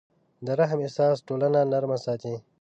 د رحم احساس ټولنه نرمه ساتي.